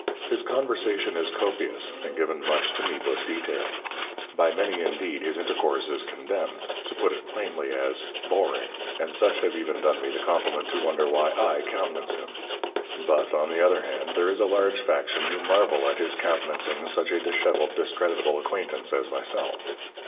His conversation is copious and given much to needless detail. By many, indeed, his intercourse is condemned, to put it plainly, as "boring," and such have even done me the compliment to wonder why I countenance him. But, on the other hand, there is a large faction who marvel at his countenancing such a dishevelled, discreditable acquaintance as myself.